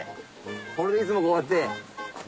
これでいつもこうやって。